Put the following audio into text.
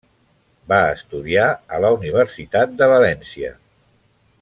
Va estudiar a la Universitat de València.